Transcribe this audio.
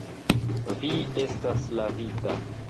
Vi estis lavita.